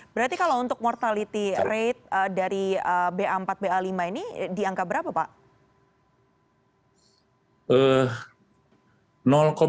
berarti kalau untuk mortality rate dari ba empat ba lima ini di angka berapa pak